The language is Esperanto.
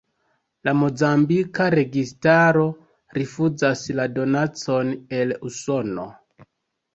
La mozambika registaro rifuzas la donacon el Usono.